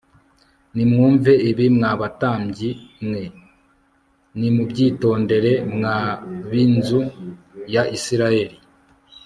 Nimwumve ibi mwa batambyi mwe e nimubyitondere mwa b inzu ya Isirayeli